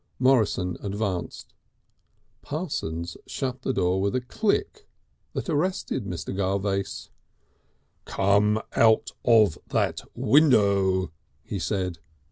Morrison advanced. Parsons shut the door with a click that arrested Mr. Garvace. "Come out of that window," he said.